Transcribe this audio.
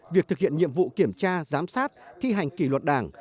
việc thực hiện nhiệm vụ kiểm tra giám sát thi hành kỷ luật đảng